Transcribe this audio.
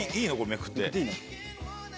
めくって。